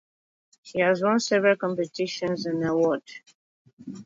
She has won several competitions and awards.